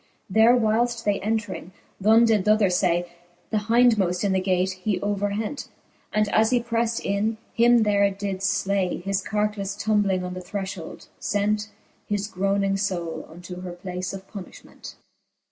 There whileft they entring, th'one did th'other ftay. The hindmoft in the gate he overhent. And as he prefled in, him there did flay : His carcafle tumbling on the threfliold fent His groning fbule unto her place of punifliment.